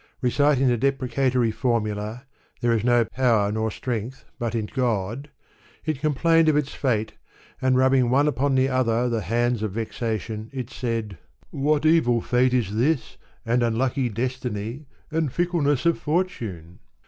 Reciting the deprecatory formula, There is no power nor strength but in God,"* it com plained of its fate, and, rubbing one upon the other the hands of vexation, it said, " What evil feitc is this, and unlucky destiny, and fickleness of fortune